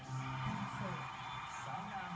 มีเวลา๖ปี